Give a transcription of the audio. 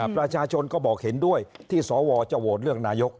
ประชาชนก็บอกเห็นด้วยที่สวจะโหวตเลือกนายก